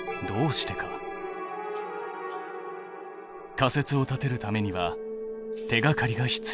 仮説を立てるためには手がかりが必要。